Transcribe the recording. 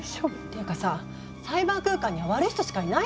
ていうかさサイバー空間には悪い人しかいないの？